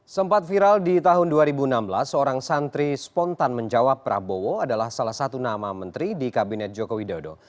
sempat viral di tahun dua ribu enam belas seorang santri spontan menjawab prabowo adalah salah satu nama menteri di kabinet jokowi dodo